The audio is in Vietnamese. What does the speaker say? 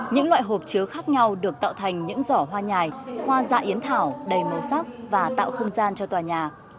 những loại hộp chứa khác nhau được tạo thành những giỏ hoa nhài hoa dạ yến thảo đầy màu sắc và tạo không gian cho tòa nhà